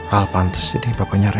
al pantas jadi papanya rena